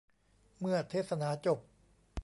เมื่อเทศนาจบ